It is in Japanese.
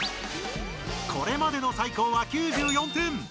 これまでの最高は９４点！